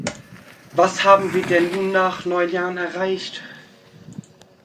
Was haben wir denn nun nach neun Jahren erreicht?